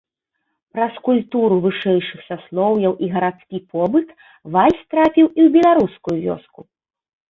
Праз культуру вышэйшых саслоўяў і гарадскі побыт вальс трапіў і ў беларускую вёску.